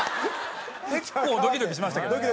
結構ドキドキしましたけどね。